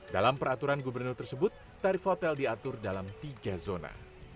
dalam peraturan gubernur tersebut tarif hotel diatur dalam tiga zona